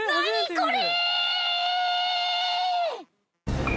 これ。